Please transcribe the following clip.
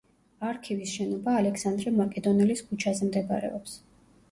არქივის შენობა ალექსანდრე მაკედონელის ქუჩაზე მდებარეობს.